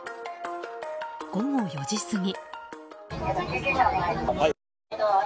午後４時過ぎ。